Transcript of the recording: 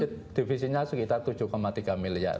divisinya sekitar tujuh tiga miliar